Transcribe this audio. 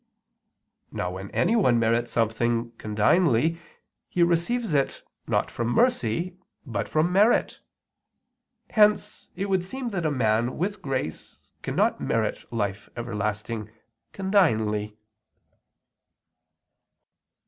Now when anyone merits something condignly he receives it not from mercy, but from merit. Hence it would seem that a man with grace cannot merit life everlasting condignly.